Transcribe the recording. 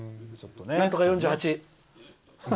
なんとか４８。